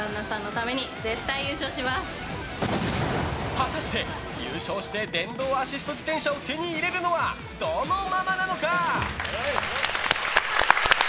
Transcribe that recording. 果たして、優勝して電動アシスト自転車を手に入れるのはどのママなのか！